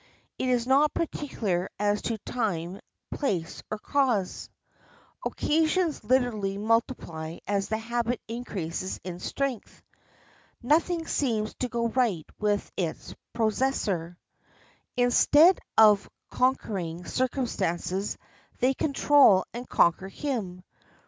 It is not particular as to time, place, or cause. Occasions literally multiply as the habit increases in strength. Nothing seems to go right with its possessor. Instead of conquering circumstances they control and conquer him.